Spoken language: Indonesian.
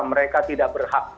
mereka tidak berhak